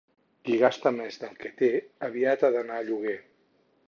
Qui gasta més del que té, aviat ha d'anar a lloguer.